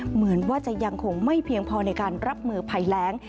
เหมือนว่าจะยังคงไม่เพียงพอในการรับมือภัยแรง